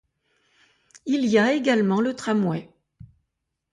Il y a également le tramway.